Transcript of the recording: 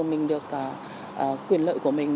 mình được quyền lợi của mình